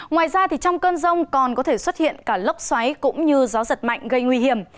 ngoài ra trong cơn rông còn có thể xuất hiện cả lốc xoáy cũng như gió giật mạnh gây nguy hiểm